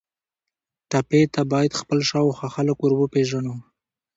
ټپي ته باید خپل شاوخوا خلک وروپیژنو.